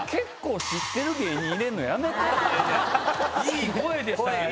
いい声でしたね。